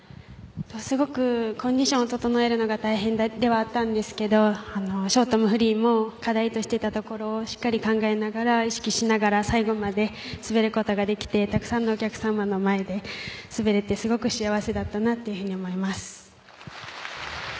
すごくコンディションを整えるのが大変ではあったんですがショートもフリーも課題としていたところをしっかり考えながら意識しながら、最後まで滑ることができてたくさんのお客様の前で滑れて、すごく幸せだったと思います。